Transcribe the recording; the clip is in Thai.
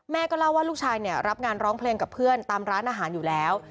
เล่าว่าลูกชายเนี่ยรับงานร้องเพลงกับเพื่อนตามร้านอาหารอยู่แล้ว